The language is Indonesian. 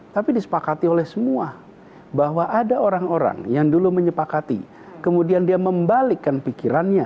tapi disepakati oleh semua bahwa ada orang orang yang dulu menyepakati kemudian dia membalikkan pikirannya